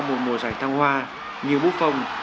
một mùa giải thăng hoa như bú phong